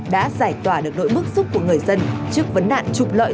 đã giải tỏa được nỗi bức xúc của người dân trước vấn nạn trục lợi